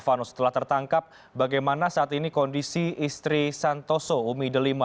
vano setelah tertangkap bagaimana saat ini kondisi istri santoso umi delima